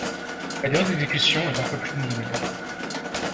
La durée d'exécution est d'un peu plus d'une demi-heure.